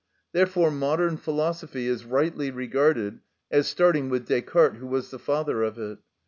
Therefore modern philosophy is rightly regarded as starting with Descartes, who was the father of it.